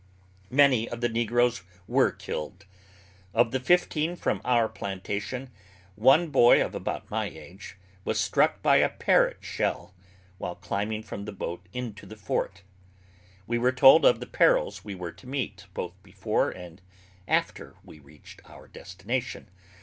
Many of the negroes were killed. Of the fifteen from our plantation, one boy of about my age was struck by a parrot shell while climbing from the boat into the fort. We were told of the perils we were to meet, both before and after we reached our destination.